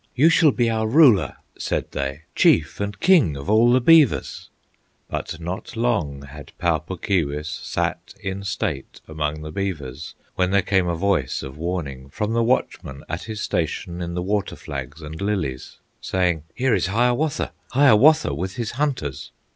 "You shall be our ruler," said they; "Chief and King of all the beavers." But not long had Pau Puk Keewis Sat in state among the beavers, When there came a voice, of warning From the watchman at his station In the water flags and lilies, Saying, "Here is Hiawatha! Hiawatha with his hunters!"